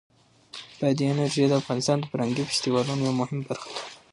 بادي انرژي د افغانستان د فرهنګي فستیوالونو یوه مهمه برخه ده.